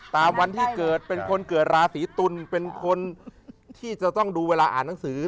ตามวันที่เกิดเป็นคนเกิดราศีตุลเป็นคนที่จะต้องดูเวลาอ่านหนังสือ